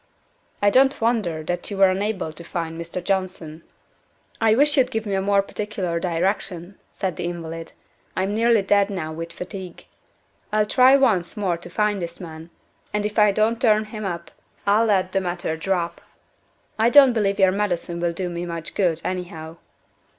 I don't wonder that you were unable to find Mr. Johnson." "I wish you'd give me a more particular direction," said the invalid. "I'm nearly dead now with fatigue; I'll try once more to find this man, and if I don't turn him up, I'll let the matter drop. I don't believe your medicine will do me much good, anyhow."